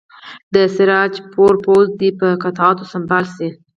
د سراج پور پوځ دې په قطعو سمبال شي.